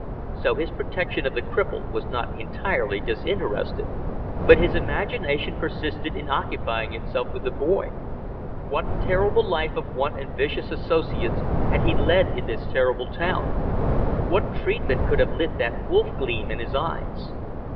So his protection of the cripple was not entirely disinterested. But his imagination persisted in occupying itself with the boy. What terrible life of want and vicious associates had he led in this terrible town? What treatment could have lit that wolf gleam in his eyes?